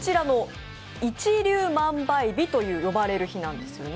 一粒万倍日と呼ばれる日なんですよね。